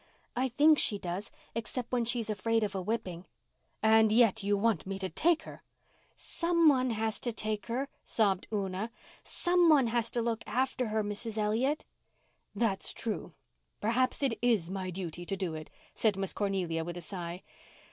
"I think she does, except when she's afraid of a whipping." "And yet you want me to take her!" "Some one has to take her," sobbed Una. "Some one has to look after her, Mrs. Elliott." "That's true. Perhaps it is my duty to do it," said Miss Cornelia with a sigh.